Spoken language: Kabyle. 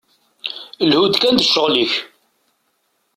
Lhu-d kan d ccɣel-ik!